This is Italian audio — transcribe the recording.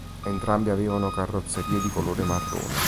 Entrambi avevano carrozzeria di colore marrone.